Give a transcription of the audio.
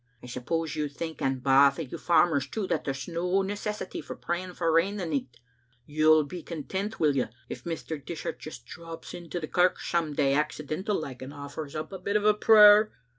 I suppose you think, and baith o' you farmers too, that there's no necessity for praying for rain the nicht? You'll be content, will ye, if Mr. Dishart just drops in to the kirk some day, accidental like, and offers up a bit prayer?"